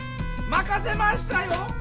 まかせましたよ！